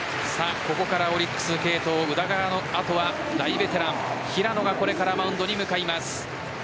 ここからオリックス継投・宇田川の後は大ベテラン・平野がこれからマウンドに向かいます。